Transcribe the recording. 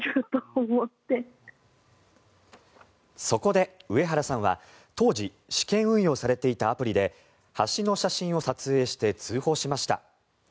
そこで上原さんは当時、試験運用されていたアプリで橋の写真を撮影して通報しました。